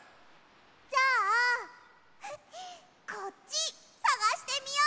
じゃあこっちさがしてみよう！